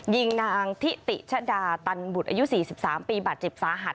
ยิงนางทิติชะดาตันบุตรอายุ๔๓ปีบาดเจ็บสาหัส